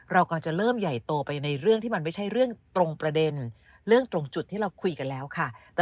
เรากำลังจะเริ่มใหญ่โตไปในเรื่องที่มันไม่ใช่เรื่องตรงประเด็นเรื่องตรงจุดที่เราคุยกันแล้วค่ะ